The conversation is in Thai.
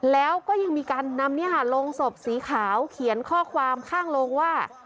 แล้วก็ยังมีการนำโรงศพสีขาวเขียนข้อความข้างโรงว่า